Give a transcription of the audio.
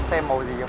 xe màu gì không